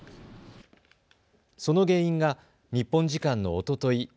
その原因が日本時間のおととい